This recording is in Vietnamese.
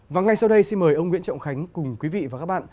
và ngay sau đây xin mời ông nguyễn trọng khánh cùng quý vị và các bạn